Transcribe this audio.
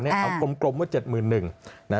เอากลมว่า๗๑๐๐๐